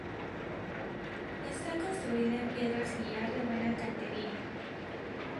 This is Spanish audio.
Está construida en piedra sillar de buena cantería.